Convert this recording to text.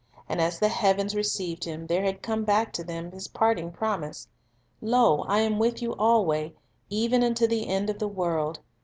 And as the heavens received Him, there had come back to them His parting promise, "Lo, I am with you alway, even unto the end of the world."''